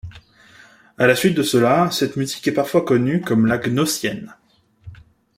À la suite de cela, cette musique est parfois connue comme la Gnossienne.